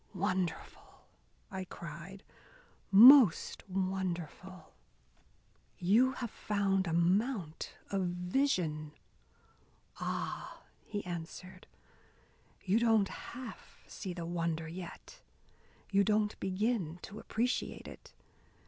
"Wonderful!" I cried. "Most wonderful! You have found a mount of vision." "Ah," he answered, "you don't half see the wonder yet, you don't begin to appreciate it.